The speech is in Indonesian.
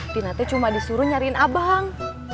dina teh cuma disuruh nyariin abang